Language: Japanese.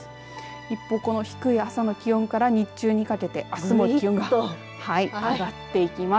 一方、低い朝の気温から日中にかけてあすも気温が上がっていきます。